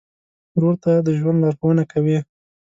ورور ته د ژوند لارښوونه کوې.